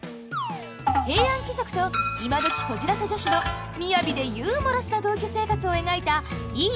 平安貴族と今どきこじらせ女子の雅でユーモラスな同居生活を描いた「いいね！